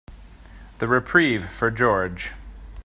The reprieve for George.